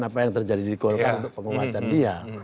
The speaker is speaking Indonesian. apa yang terjadi di golkar untuk penguatan dia